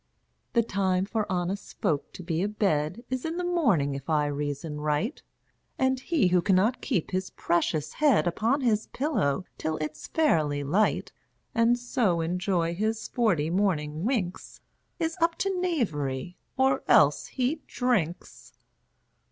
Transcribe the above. The time for honest folks to be abed Is in the morning if I reason right; And he who cannot keep his precious head Upon his pillow till it's fairly light, And so enjoy his forty morning winks, Is up to knavery; or else he drinks!